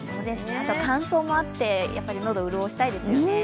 あと乾燥もあって、喉を潤したいですね。